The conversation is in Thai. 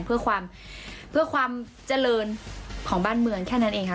เพื่อความเพื่อความเจริญของบ้านเมืองแค่นั้นเองค่ะ